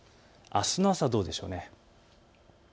あすの朝はどうでしょう？